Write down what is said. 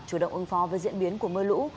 chủ động ứng phó với diễn biến của mưa lũ